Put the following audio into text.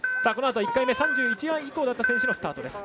このあと１回目３１番以降だった選手のスタート。